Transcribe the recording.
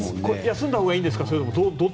休んだほうがいいんですか？